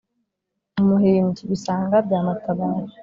umuhimbyi : bisanga bya matabaro